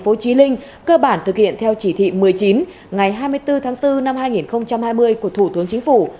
phố trí linh cơ bản thực hiện theo chỉ thị một mươi chín ngày hai mươi bốn tháng bốn năm hai nghìn hai mươi của thủ tướng chính phủ